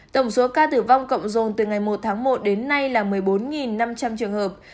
tổng số ca tử vong cộng dồn từ ngày một tháng một đến nay là một mươi bốn năm trăm linh trường hợp